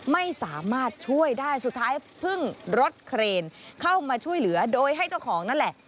ไม่สามารถช่วยได้สุดท้ายพึ่งรถเครนเข้ามาช่วยเหลือโดยให้เจ้าของนั่นแหละ